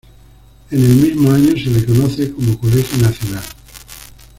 En el mismo año se le conoce como "Colegio Nacional".